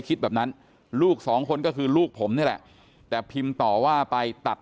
คิดแบบนั้นลูกสองคนก็คือลูกผมนี่แหละแต่พิมพ์ต่อว่าไปตัด